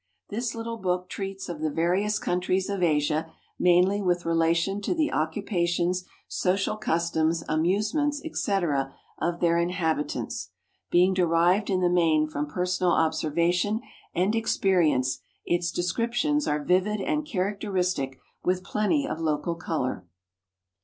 This little book treats of the various countries of Asia, mainly with relation to the occupations, social customs, amusements, etc., of their inhabitants. Being derived in the main from personal observation and experience, its descriptions are vivid and characteristic, with plenty of local color.